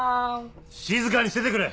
静かにしててくれ！